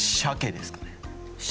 鮭ですかね。